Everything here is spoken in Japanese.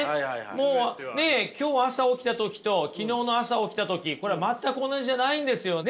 もうねっ今日朝起きた時と昨日の朝起きた時これは全く同じじゃないんですよね